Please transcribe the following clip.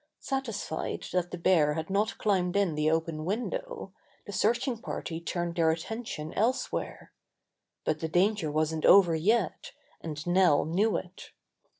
Satisfied that the bear had not climbed in the open window, the searching party turned their attention else where. But the danger wasn't over yet, and Nell knew it.